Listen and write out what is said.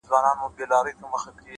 سیاه پوسي ده _ ژوند تفسیرېږي _